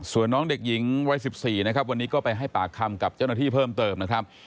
ส่วนน้องเด็กหญิงวัย๑๔นะครับวันนี้ก็ไปให้ปากคำกับเจ้าหน้าที่เพิ่มเติมนะครับ